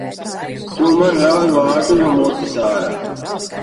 Tu man rauj vārdu no mutes ārā!